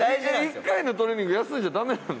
１回のトレーニング休んじゃダメなんですか？